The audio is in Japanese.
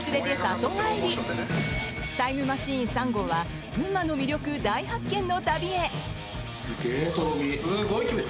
そして、タイムマシーン３号は群馬の魅力大発見の旅へ。